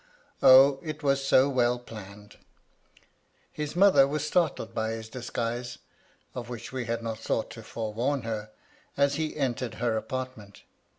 O, it was so well planned I His mother was startled by his disguise (of which we had not thought to forewarn her) as he entered her apartment.